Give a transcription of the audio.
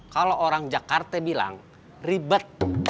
kalau orang jakarta bilang ribet